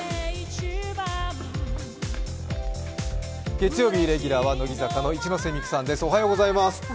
月曜日レギュラーは乃木坂の一ノ瀬美空さんです。